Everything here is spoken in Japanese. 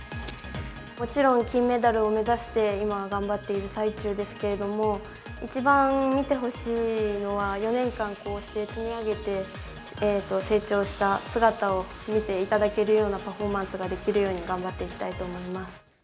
もちろん、金メダルを目指して今、頑張っている最中ですけれども、一番見てほしいのは、４年間こうして積み上げて成長した姿を見ていただけるようなパフォーマンスができるように、頑張っていきたいと思います。